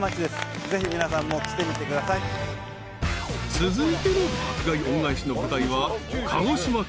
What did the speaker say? ［続いての爆買い恩返しの舞台は鹿児島県］